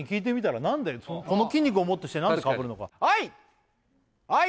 この筋肉をもってして何でかぶるのかおい！